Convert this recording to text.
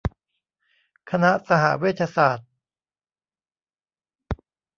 คณะสหเวชศาสตร์